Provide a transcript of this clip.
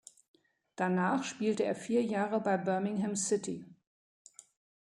Danach spielte er vier Jahre bei Birmingham City.